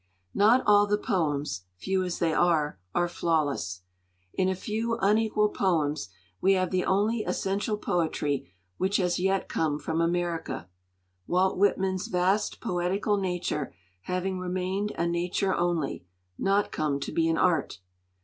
Not all the poems, few as they are, are flawless. In a few unequal poems we have the only essential poetry which has yet come from America, Walt Whitman's vast poetical nature having remained a nature only, not come to be an art.